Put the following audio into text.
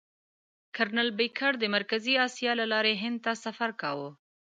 کرنل بېکر د مرکزي اسیا له لارې هند ته سفر کاوه.